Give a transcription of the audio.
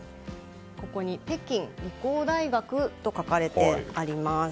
ここに北京理工大学と書かれています。